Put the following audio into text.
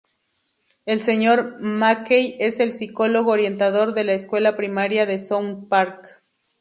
El Sr. Mackey es el psicólogo orientador de la Escuela Primaria de South Park.